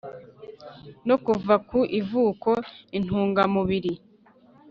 no kuva ku ivuko intungamubiri